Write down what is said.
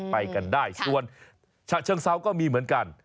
ไปกันได้ส่วนฉะเชิงเซาก็มีเหมือนกัน